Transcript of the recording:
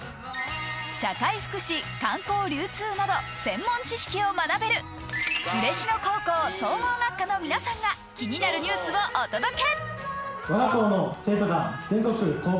社会福祉、観光・流通など専門知識を学べる嬉野高校総合学科の皆さんが気になるニュースをお届け。